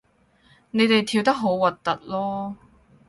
你哋跳得好核突囉